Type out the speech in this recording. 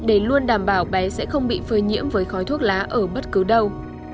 để luôn đảm bảo bé sẽ không bị phơi nhiễm với khói thuốc lá ở bất cứ đâu